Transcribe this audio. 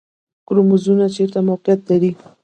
کروموزومونه چیرته موقعیت لري؟